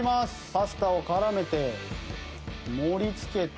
パスタを絡めて盛り付けて。